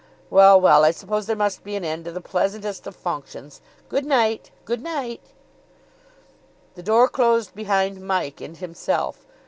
Well, well, I suppose there must be an end to the pleasantest of functions. Good night, good night." The door closed behind Mike and himself.